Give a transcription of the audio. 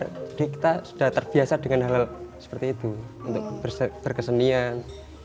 jadi kita sudah terbiasa dengan hal hal seperti itu untuk berkesenian